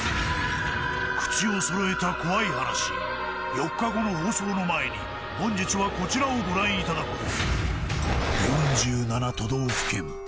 ４日後の放送の前に本日はこちらをご覧いただこう